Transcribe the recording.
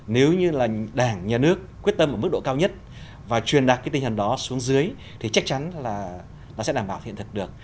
nếu như là đảng nhà nước quyết tâm ở mức độ cao nhất và truyền đạt cái tinh thần đó xuống dưới thì chắc chắn là nó sẽ đảm bảo hiện thực được